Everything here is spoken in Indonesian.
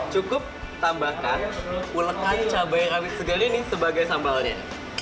cukup tambahkan ulekan cabai rawit segar ini sebagai sambalnya